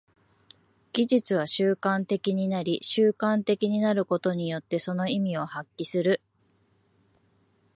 技術は習慣的になり、習慣的になることによってその意味を発揮する。